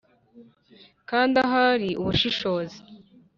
kandi ahari ubushishozi